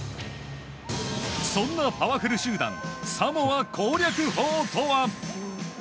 そんなパワフル集団サモア攻略法とは？